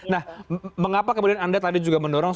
nah mengapa kemudian anda tadi juga mendorong